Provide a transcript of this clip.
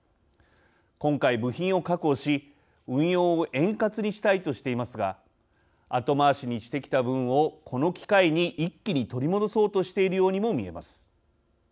今回、部品を確保し運用を円滑にしたいとしていますが後回しにしてきた分をこの機会に一気に取り戻そうとしているようにも見えます。